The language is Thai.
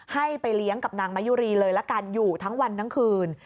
ให้ไปเลี้ยงกับนางมะยุรีเลยละกันอยู่ทั้งวันทั้งคืน